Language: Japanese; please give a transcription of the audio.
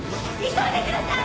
急いでください！